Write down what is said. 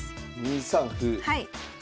はい。